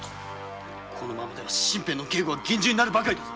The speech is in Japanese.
これでは身辺の警護が厳重になるばかりだ。